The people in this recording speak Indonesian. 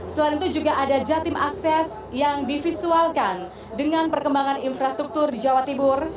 selain itu juga ada jatim akses yang divisualkan dengan perkembangan infrastruktur di jawa timur